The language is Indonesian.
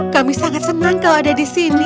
kami sangat senang kau ada di sini